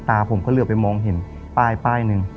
ตาผมก็เลือกไปมองเห็นป้ายหนึ่ง